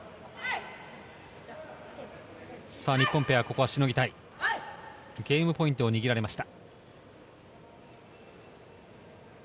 日本ペア、ここはしのぎたい、ゲームポイント握られました。